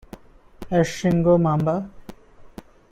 As "Shingo Mama"